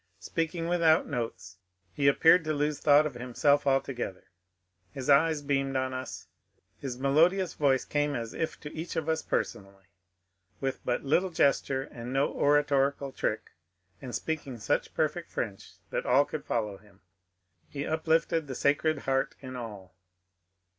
Speak ing without notes, he appeared to lose thought of himself alto gether ; his eyes beamed on us, his melodious voice came as if to each of us personally ; with but little gesture and no oratorical trick, and speaking such perfect French that all could follow him, he uplifted the sacred heart in all.